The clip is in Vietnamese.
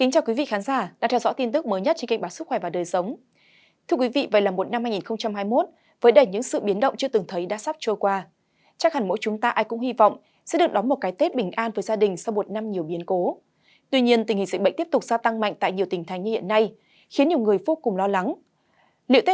chào mừng quý vị đến với bộ phim hãy nhớ like share và đăng ký kênh để ủng hộ kênh của chúng mình nhé